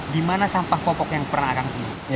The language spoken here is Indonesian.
gimana sampah popok yang pernah akan semuanya